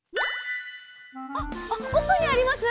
あっおくにあります？